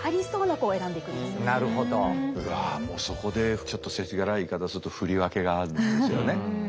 もうそこでちょっとせちがらい言い方すると振り分けがあるんですよね。